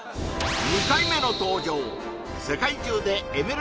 ２回目の登場